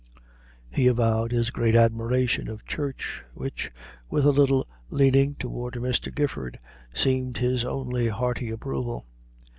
He avowed his great admiration of Church, which, with a little leaning toward Mr. Gifford, seemed his only hearty approval.